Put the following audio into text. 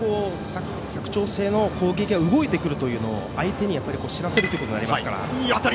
佐久長聖の攻撃は動いてくるというのを相手に知らせることになりますから。